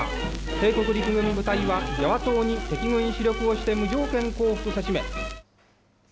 帝国陸軍部隊はジャワ島に敵軍主力をして無条件降伏をせしめ。